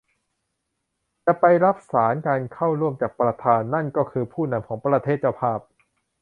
จะไปรับสาส์นการเข้าร่วมจากประธาน นั้นก็คือผู้นำของประเทศเจ้าภาพ